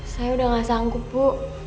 saya udah gak sanggup bu